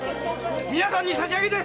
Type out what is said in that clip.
皆さんに差しあげて！